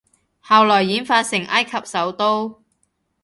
後來演化成埃及首都